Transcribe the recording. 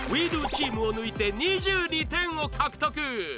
チームを抜いて２２点を獲得